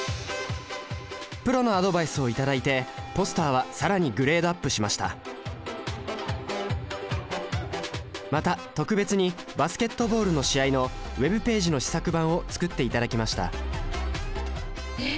プロのアドバイスを頂いてポスターは更にグレードアップしましたまた特別にバスケットボールの試合のＷｅｂページの試作版を作っていただきましたえっ！？